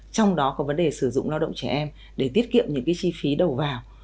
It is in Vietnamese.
trong đó có vấn đề sử dụng lao động trẻ em để tiết kiệm những chi phí đầu vào